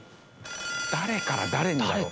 誰から誰にだろう？